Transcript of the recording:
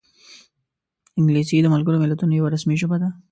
انګلیسي د ملګرو ملتونو یوه رسمي ژبه ده